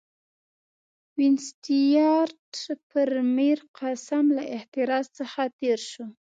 وینسیټیارټ پر میرقاسم له اعتراض څخه تېر شو.